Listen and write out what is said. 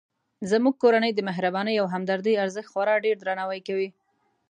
زموږ کورنۍ د مهربانۍ او همدردۍ ارزښت خورا ډیردرناوی کوي